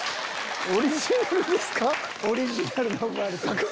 オリジナルですか？